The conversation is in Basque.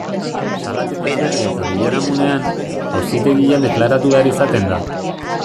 Salaketa jarri eta biharamunean, auzitegian deklaratu behar izaten da.